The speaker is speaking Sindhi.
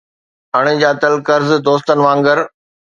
اڻڄاتل قرض دوستن وانگر